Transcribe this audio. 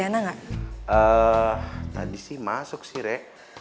ehm tadi siih masuk sih re